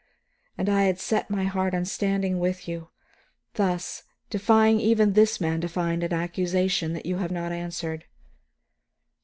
And I had set my heart on standing with you, thus, and defying even this man to find an accusation that you have not answered.